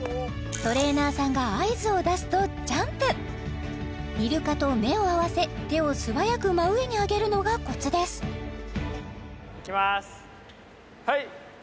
トレーナーさんが合図を出すとジャンプイルカと目を合わせ手を素早く真上に上げるのがコツですいきますはい！